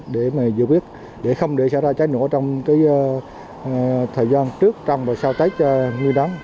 để giữ biết để không để xảy ra trái nổ trong thời gian trước trong và sau tách nguyên đoán